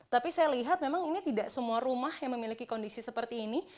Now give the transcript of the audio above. tapi saya lihat memang ini tidak semua rumah yang memiliki kondisi seperti ini